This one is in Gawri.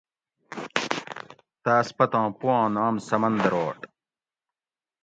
تاس پتاں پوآں نام سمندروٹ